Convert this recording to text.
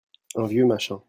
un vieux machin.